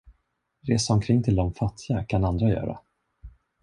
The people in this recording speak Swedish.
Resa omkring till de fattiga kan andra göra.